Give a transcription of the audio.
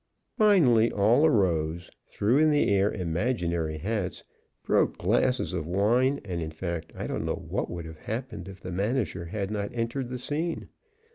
Finally all arose, threw in the air imaginary hats, broke glasses of wine, and, in fact, I don't know what would have happened if the manager had not entered the scene.